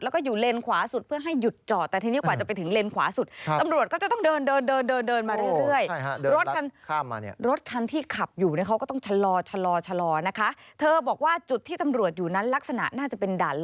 แล้วก็อยู่เลนส์ขวาสุดเพื่อให้หยุดจอด